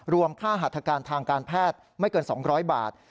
ค่าหัตถการทางการแพทย์ไม่เกิน๒๐๐บาท